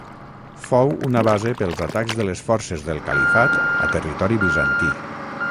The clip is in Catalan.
Fou una base pels atacs de les forces del califat a territori bizantí.